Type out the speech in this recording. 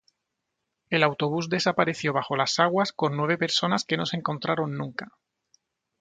El autobús desapareció bajo las aguas con nueve personas que no se encontraron nunca.